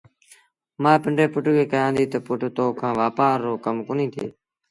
مآ پنڊري پُٽ کي ڪهيآݩديٚ تا پُٽ تو کآݩ وآپآر رو ڪم ڪونهيٚ ٿئي